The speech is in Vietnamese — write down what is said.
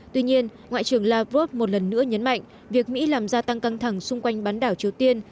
tuy nhiên ngoại trưởng lavrov một lần nữa nhấn mạnh việc mỹ làm gia tăng căng thẳng xung quanh bán đảo triều tiên